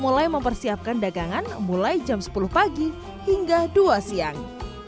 mulai mempersiapkan dagangan mulai jam sepuluh pagi hingga dua siang